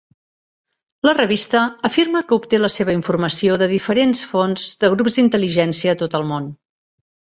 La revista afirma que obté la seva informació de diferents fonts de grups d'intel·ligència a tot el món.